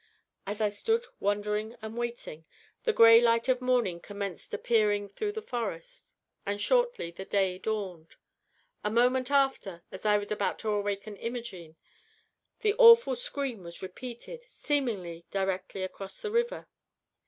As I stood wondering and waiting, the gray light of morning commenced appearing through the forest, and shortly the day dawned. A moment after, as I was about to awaken Imogene, the awful scream was repeated, seemingly directly across the river.